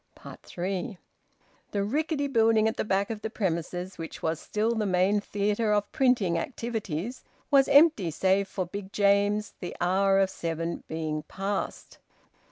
THREE. The rickety building at the back of the premises, which was still the main theatre of printing activities, was empty save for Big James, the hour of seven being past.